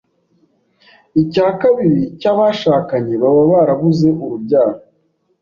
icyakabiri cy'abashakanye baba barabuze urubyaro.